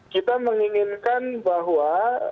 kita menginginkan bahwa